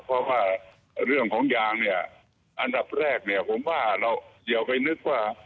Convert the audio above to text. เพราะว่าเรื่องของยางอันดับแรกผมว่าเราอย่าไปนึกว่า